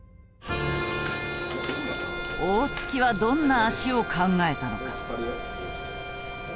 大槻はどんな脚を考えたのか。